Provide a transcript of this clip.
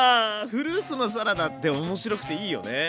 フルーツのサラダって面白くていいよね。